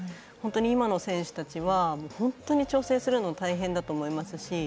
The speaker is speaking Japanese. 本当に今の選手たちは本当に調整するの大変だと思いますし